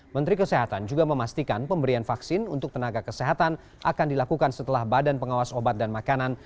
menteri kesehatan juga memastikan pemberian vaksin untuk tenaga kesehatan akan dilakukan setelah badan pengawas obat dan makanan